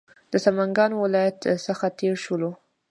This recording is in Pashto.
د سمنګانو ولایت څخه تېر شولو.